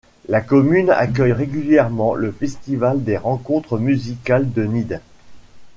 La commune accueille régulièrement le festival des Rencontres musicales de Nedde.